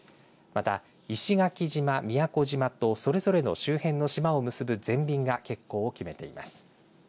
また、石垣島、宮古島とそれぞれの周辺の島を結ぶ全便が欠航を決めています。